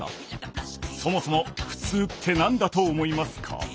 そもそも「ふつう」って何だと思いますか？